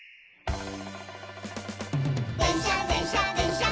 「でんしゃでんしゃでんしゃっ